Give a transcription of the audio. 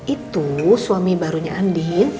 itu suami barunya andi